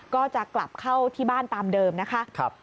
ก็จะกลับเข้าที่บ้านตามเดิมนะคะ